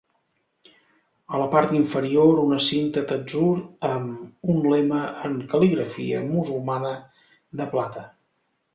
A la part inferior una cinta d'atzur amb un lema en cal·ligrafia musulmana de plata.